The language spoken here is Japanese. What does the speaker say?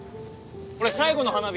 これ最後の花火。